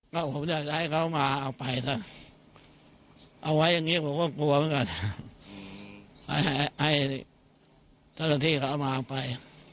ก็ผมจะให้เขามาเอาไปนะเอาไว้อย่างนี้ผมก็กลัวเหมือนกันให้เจ้าหน้าที่เขามาเอาไป